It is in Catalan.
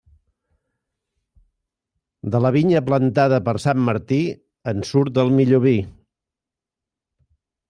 De la vinya plantada per sant Martí, en surt el millor vi.